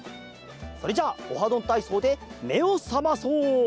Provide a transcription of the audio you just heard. それじゃあ「オハどんたいそう」でめをさまそう！